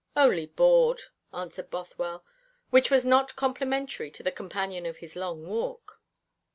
"Only bored," answered Bothwell, which was not complimentary to the companion of his long walk.